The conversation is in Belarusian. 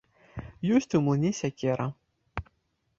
Ёсць у млыне сякера?